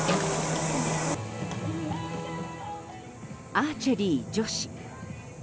アーチェリー女子。